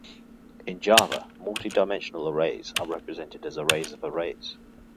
In Java, multi-dimensional arrays are represented as arrays of arrays.